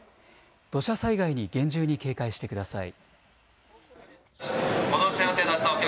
土砂災害に厳重に警戒してください。